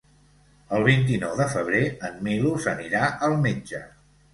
El vint-i-nou de febrer en Milos anirà al metge.